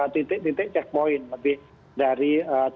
titik titik checkpoint lebih dari